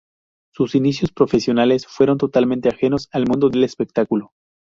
Sus inicios profesionales fueron totalmente ajenos al mundo del espectáculo.